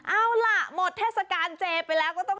เอาล่ะหมดเทศกาลเจไปแล้ว